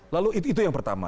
lalu itu yang pertama